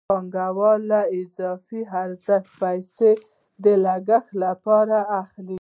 پانګوال له اضافي ارزښت پیسې د لګښت لپاره اخلي